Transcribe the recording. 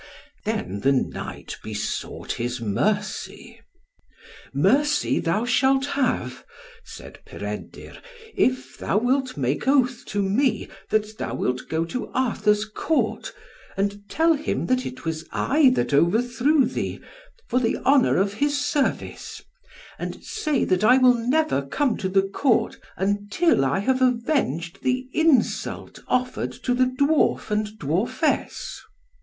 Then the knight besought his mercy. "Mercy thou shalt have," said Peredur, "if thou wilt make oath to me, that thou wilt go to Arthur's Court, and tell him that it was I that overthrew thee, for the honour of his service; and say that I will never come to the Court, until I have avenged the insult offered to the dwarf and dwarfess."